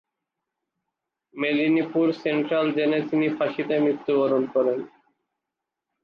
Medinipur central জেলে তিনি ফাঁসিতে মৃত্যুবরণ করেন।